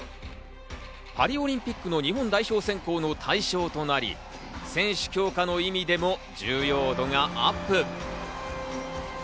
パリオリンピックの日本代表選考の対象となり、選手強化の意味でも重要度がアップ。